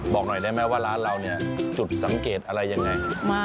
บอกหน่อยได้ไหมว่าร้านเราเนี่ยจุดสังเกตอะไรยังไง